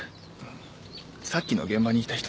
さっきの現場にいた人です。